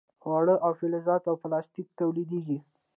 خواړه او فلزات او پلاستیک تولیدیږي.